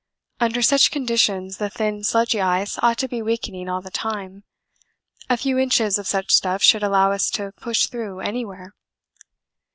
Under such conditions the thin sludgy ice ought to be weakening all the time; a few inches of such stuff should allow us to push through anywhere.